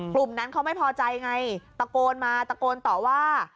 กลุ่มนั้นเขาไม่พอใจไงตะโกนมาตะโกนต่อว่า